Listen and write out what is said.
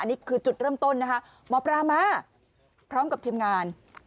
นี่คือจุดเริ่มต้นนะคะหมอปลามาพร้อมกับทีมงาน